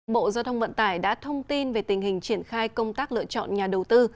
bộ giao thông vận tải đã thông tin về tình hình triển khai công tác lựa chọn nhà đầu tư